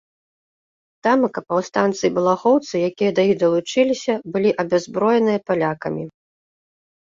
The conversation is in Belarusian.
Тамака паўстанцы і балахоўцы, якія да іх далучыліся, былі абяззброеныя палякамі.